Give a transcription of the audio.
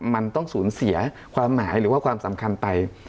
มันต้องสูญเสียความหมายหรือว่าความสำคัญไป